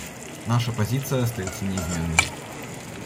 Наша позиция остается неизменной.